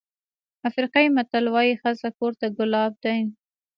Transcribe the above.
افریقایي متل وایي ښځه کور ته ګلاب دی.